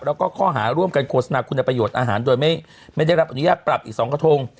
แล้วก็ข้อหาร่วมกันโฆษณาคุณประโยชน์อาหารโดยไม่ได้รับอนุญาตปรับอีก๒กระทง